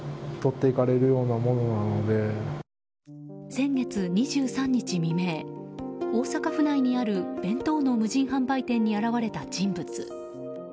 先月２３日未明大阪府内にある弁当の無人販売店に現れた人物。